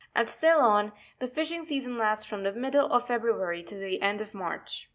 At Ceylon the fishing season lasts from the middle of February to the end of March.